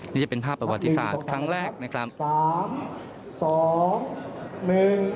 นี่จะเป็นภาพประวัติศาสตร์ครั้งแรกนะครับ